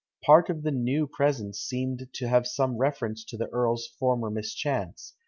Part of the new presents seem to have some reference to the earl's former mischance.